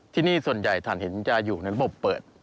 ที่นี่ส่วนใหญ่ฐานหินจะอยู่ในระบบเปิด